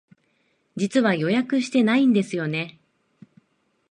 実は予約してないんですよね。